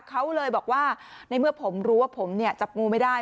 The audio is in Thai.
เขาเลยบอกว่าในเมื่อผมรู้ว่าผมจับงูไม่ได้